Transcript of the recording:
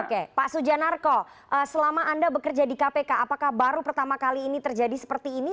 oke pak sujanarko selama anda bekerja di kpk apakah baru pertama kali ini terjadi seperti ini